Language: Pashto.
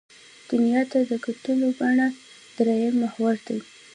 دنیا ته د کتلو بڼه درېیم محور دی.